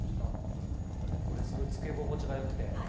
これ、すごい着け心地が良くて。